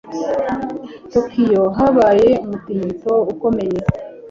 Tokiyo habaye umutingito ukomeye.